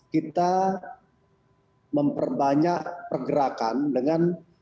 kita memperbanyak pergerakan dengan